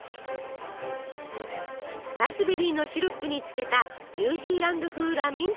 ラズベリーのシロップにつけたニュージーランド風ラミントンも誕生！